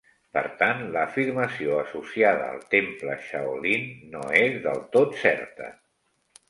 Per tant l'afirmació associada al temple Shaolin no és del tot certa.